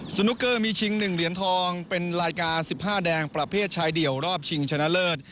สนุกเกอร์มีชิง๑เหรียญทองเป็นรายการ๑๕แดงประเภทชายเดี่ยวรอบชิงชนะเลิศ